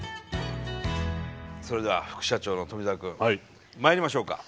それでは副社長の富澤くんまいりましょうか。